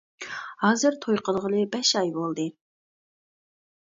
ھازىر توي قىلغىلى بەش ئاي بولدى.